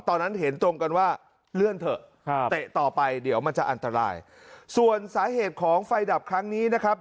ตอนนั้นเห็นตรงกันว่าเลื่อนเถอะเตะต่อไปเดี๋ยวมันจะอันตรายส่วนสาเหตุของไฟดับครั้งนี้นะครับ